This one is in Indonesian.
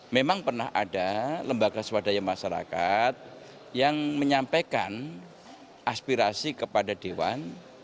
memang pernah ada lembaga swadaya masyarakat yang menyampaikan aspirasi kepada dewan